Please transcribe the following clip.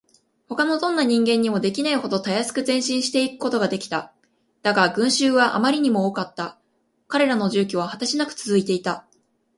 ほかのどんな人間にもできないほどたやすく前進していくことができた。だが、群集はあまりにも多かった。彼らの住居は果てしなくつづいていた。